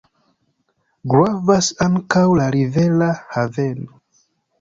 Gravas ankaŭ la rivera haveno.